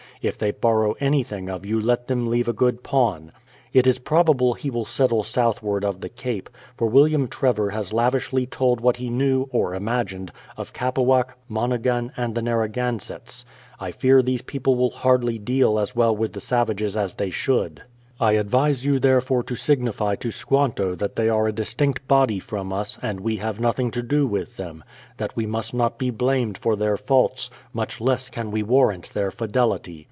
If they borrow anything of you let them leave a good pawn. ... It is probable he will settle south ward of the Cape, for William Trevor has lavishly told what he knew (or imagined) of Capawack, Monhegan and the Narragansetts. I fear these people will hardly deal as well with the savages as they should. I advise you therefore to signify to Squanto that they are a distinct body from us, and we have nothing to do with them; that we must not be blamed for their faults,— much less can we warrant their fidelity.